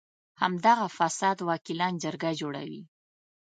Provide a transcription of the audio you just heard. همدغه فاسد وکیلان جرګه جوړوي.